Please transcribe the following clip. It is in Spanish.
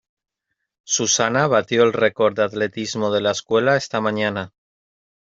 Susana batió el récord de atletismo de la escuela esta mañana.